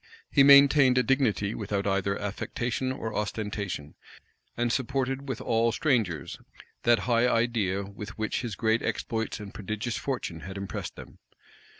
He maintained a dignity without either affectation or ostentation; and supported with all strangers that high idea with which his great exploits and prodigious fortune had impressed them.